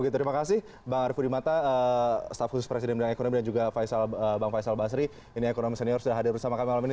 terima kasih bang arief pudimata staf khusus presiden bidang ekonomi dan juga bang faisal basri ini ekonomi senior sudah hadir bersama kami malam ini